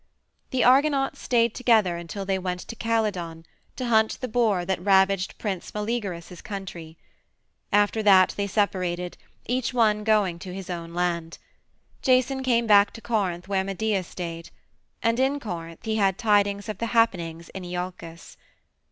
The Argonauts stayed together until they went to Calydon, to hunt the boar that ravaged Prince Meleagrus's country. After that they separated, each one going to his own land. Jason came back to Corinth where Medea stayed. And in Corinth he had tidings of the happenings in Iolcus.